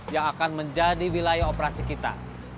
yang akan menjadi wilayah operasi kita